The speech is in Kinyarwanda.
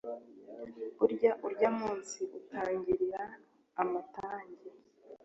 burya urya munsi utangirira amatage